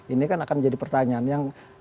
ini kan akan jadi pertanyaan yang